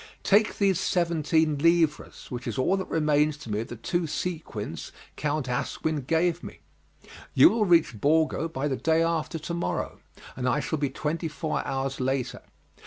Take these seventeen livres, which is all that remains to me of the two sequins Count Asquin gave me. You will reach Borgo by the day after to morrow, and I shall be twenty four hours later.